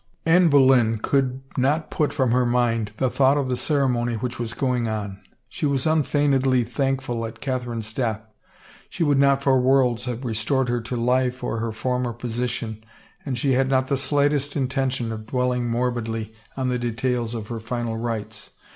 Anne Boleyn could not put from her mind the thought of the ceremony which was going on. She was unfeign edly thankful at Catherine's death. She would not for worlds have restored her to life or her former position and she had not the slightest intention of dwelling mor bidly on the details of her final rites.